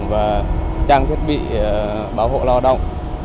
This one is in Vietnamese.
và trang thiết bị bảo hộ lao động